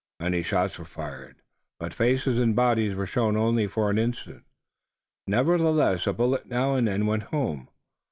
Many shots were fired, but faces and bodies were shown only for an instant. Nevertheless a bullet now and then went home.